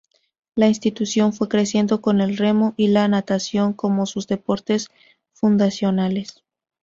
La institución fue creciendo con el remo y la natación como sus deportes fundacionales.